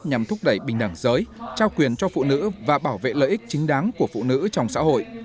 nhằm thúc đẩy bình đẳng giới trao quyền cho phụ nữ và bảo vệ lợi ích chính đáng của phụ nữ trong xã hội